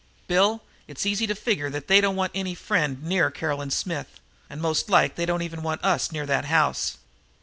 Bill, it's easy to figure that they don't want any friend near Caroline Smith, and most like they don't even want us near that house."